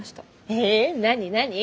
えっ？何何？